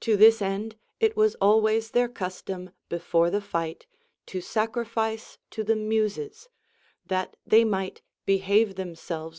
To this end it was always their custom before the fight to sacrifice to the Muses, that they might behave themselves.